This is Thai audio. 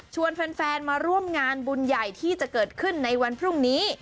แฟนมาร่วมงานบุญใหญ่ที่จะเกิดขึ้นในวันพรุ่งนี้